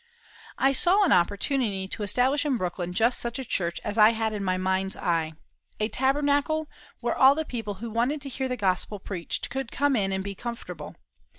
I saw an opportunity to establish in Brooklyn just such a church as I had in my mind's eye a Tabernacle, where all the people who wanted to hear the Gospel preached could come in and be comfortable.